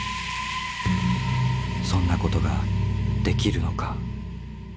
そんなことができるのか。